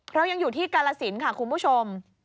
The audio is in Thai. เรายังอยู่ที่กาลสินค่ะคุณผู้ชม